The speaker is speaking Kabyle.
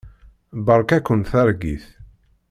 Beṛka-ken targit.